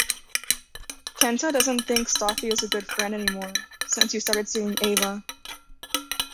Kenta doesn't think Stoffe is a good friend anymore since he started seeing Eva.